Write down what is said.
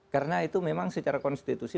karena itu memang secara konstitusi